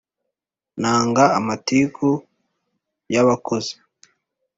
Nanga amatiku ya bakozi